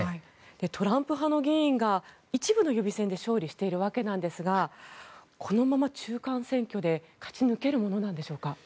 トランプ派の議員が一部の予備選で勝利しているわけなんですがこのまま中間選挙で勝ち抜けるものなんでしょうか？